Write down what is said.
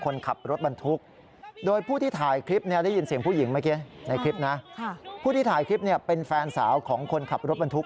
ในคลิปนะผู้ที่ถ่ายคลิปเป็นแฟนสาวของคนขับรถบรรทุก